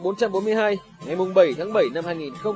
ngày bảy tháng bảy năm hai nghìn chín